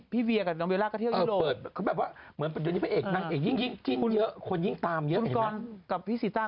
พี่เวียกับน้องวิวราก็เที่ยวอิโรปเหมือนว่าที่พระเอกนางเอกยิ่งยิ่งชิดเยอะคนยิ่งตามเหมือนกับที่ศูนย์งาน